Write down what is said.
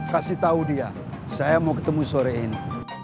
kasih tahu dia saya mau ketemu sore ini